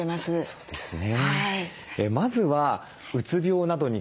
そうですね。